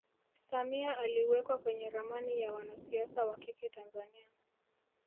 samia aliwekwa kwenye ramani ya wanasiasa wakike tanzania